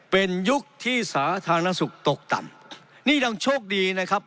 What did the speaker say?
เป็นยุคที่สาธารณสุขตกต่ำนี่ยังโชคดีนะครับ